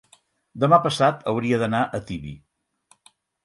Demà passat hauria d'anar a Tibi.